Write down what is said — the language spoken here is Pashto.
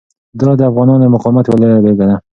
دا د افغانانو د مقاومت یوه لویه بیلګه ده.